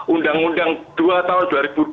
undang undang dua tahun dua ribu dua